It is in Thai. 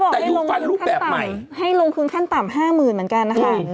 แต่ยูฟันรูปแบบใหม่ให้ลงคืนขั้นต่ำห้าหมื่นเหมือนกันนะคะอืม